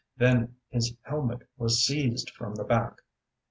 Then his helmet was seized from the back.